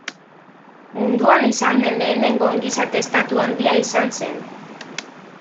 Munduan izan den lehenengo ongizate estatu handia izan zen.